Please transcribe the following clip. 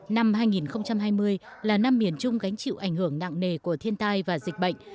năm hai nghìn hai mươi là năm miền trung gánh chịu ảnh hưởng nặng nề của thiên tai và dịch bệnh